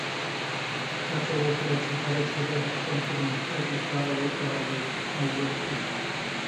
هڅه وکړه چې هره شېبه د خپل پرمختګ لپاره وکاروې او وخورې.